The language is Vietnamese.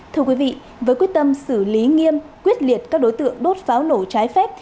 thưa quý vị với quyết tâm xử lý nghiêm quyết liệt các đối tượng đốt pháo nổ trái phép